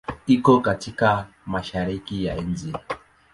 Iko katika Mashariki ya nchi.